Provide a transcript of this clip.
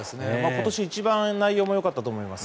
今年一番内容もよかったと思います。